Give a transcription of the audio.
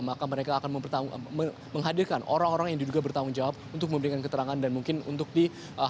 maka mereka akan menghadirkan orang orang yang diduga bertanggung jawab untuk memberikan keterangan dan mungkin untuk dilakukan